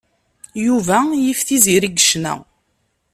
Yuba yif Tiziri deg ccna.